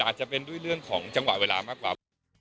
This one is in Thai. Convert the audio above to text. อาจจะเป็นด้วยเรื่องของจังหวะเวลามากกว่า